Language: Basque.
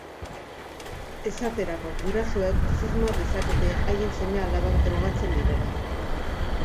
Esaterako, gurasoek susma dezakete haien seme-alabak drogatzen direla.